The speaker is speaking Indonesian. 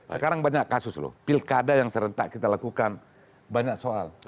sekarang banyak kasus loh pilkada yang serentak kita lakukan banyak soal